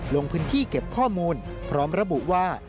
ลงพื้นที่เก็บข้อมูลพร้อมระบุว่า